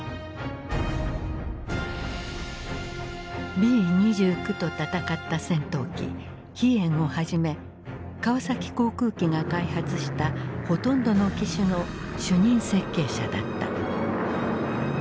Ｂ２９と戦った戦闘機飛燕をはじめ川崎航空機が開発したほとんどの機種の主任設計者だった。